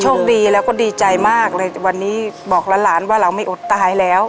โชคดีแล้วก็ดีใจมากเลยวันนี้บอกหลานว่าเราไม่อดตายแล้ว